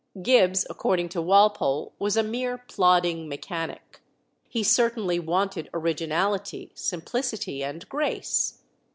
Gibbs, according to Walpole, was a mere plodding mechanic. He certainly wanted originality, simplicity, and grace.